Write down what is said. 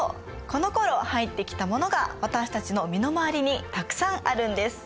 このころ入ってきたものが私たちの身の回りにたくさんあるんです。